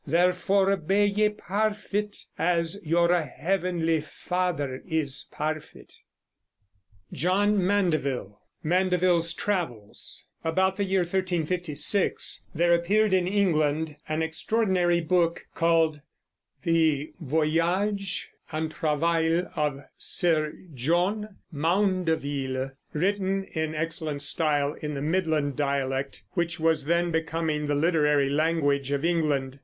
Therefore be ye parfit, as youre hevenli Fadir is parfit. JOHN MANDEVILLE About the year 1356 there appeared in England an extraordinary book called the Voyage and Travail of Sir John Maundeville, written in excellent style in the Midland dialect, which was then becoming the literary language of England.